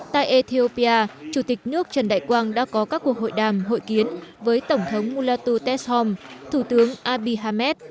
tại ethiopia chủ tịch nước trần đại quang đã có các cuộc hội đàm hội kiến với tổng thống mulatu testrom thủ tướng abihamed